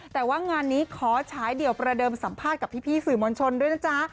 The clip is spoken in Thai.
แต่ว่างานนี้ขอฉายเดี่ยวประเดิมสัมภาษณ์กับพี่สื่อมวลชนด้วยนะจ๊ะ